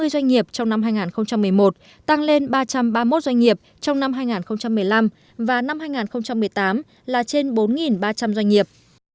ba mươi doanh nghiệp trong năm hai nghìn một mươi một tăng lên ba trăm ba mươi một doanh nghiệp trong năm hai nghìn một mươi năm và năm hai nghìn một mươi tám là trên bốn ba trăm linh doanh nghiệp